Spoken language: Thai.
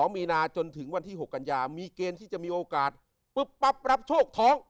มีนาจนถึงวันที่๖กันยามีเกณฑ์ที่จะมีโอกาสปุ๊บปั๊บรับโชคท้อง